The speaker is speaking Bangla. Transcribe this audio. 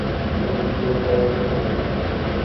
তিনি ছিলেন সর্বধর্মসমন্বয়ের প্রতীক।